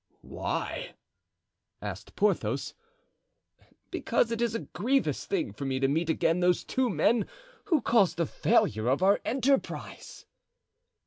"Why?" asked Porthos. "Because it is a grievous thing for me to meet again those two men who caused the failure of our enterprise."